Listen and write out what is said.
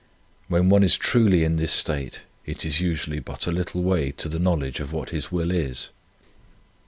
When one is truly in this state, it is usually but a little way to the knowledge of what His will is.